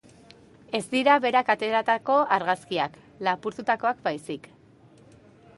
Ez dira berak ateratako argazkiak, lapurtutakoak baizik.